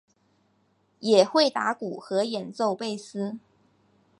也会打鼓和演奏贝斯。